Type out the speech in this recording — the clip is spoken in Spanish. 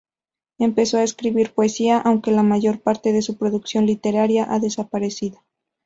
Empezó a escribir poesía, aunque la mayor parte de su producción literaria ha desaparecido.